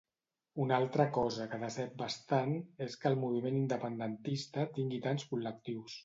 Una altra cosa que decep bastant és que el moviment independentista tingui tants col·lectius.